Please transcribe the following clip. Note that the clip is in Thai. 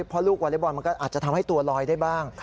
เพราะลูกวอเล็กบอลมันก็อาจจะทำให้ตัวลอยได้บ้าง